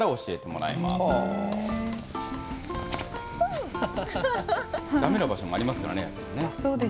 だめな場所もありますからね。